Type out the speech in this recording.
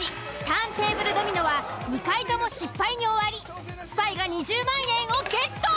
ターンテーブルドミノは２回とも失敗に終わりスパイが２０万円をゲット。